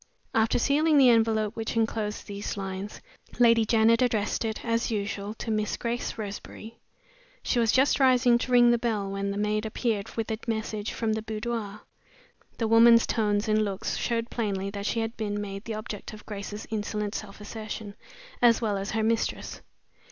After sealing the envelope which inclosed these lines, Lady Janet addressed it, as usual, to "Miss Grace Roseberry." She was just rising to ring the bell, when the maid appeared with a message from the boudoir. The woman's tones and looks showed plainly that she had been made the object of Grace's insolent self assertion as well as her mistress.